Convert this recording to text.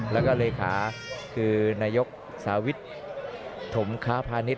และก็เลยคาคือนายกสาวิทธุ์ถมคราพนิษฐ์